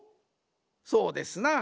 そうですな。